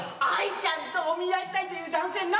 藍ちゃんとお見合いしたいっていう男性